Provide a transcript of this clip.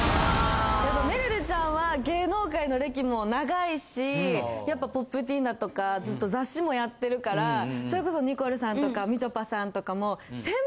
やっぱめるるちゃんは芸能界の歴も長いしやっぱ『Ｐｏｐｔｅｅｎ』だとかずっと雑誌もやってるからそれこそニコルさんとかみちょぱさんとかも。